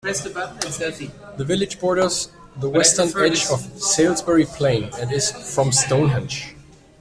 The village borders the western edge of Salisbury Plain, and is from Stonehenge.